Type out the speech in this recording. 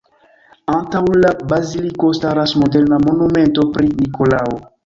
Antaŭ la baziliko staras moderna monumento pri Nikolao.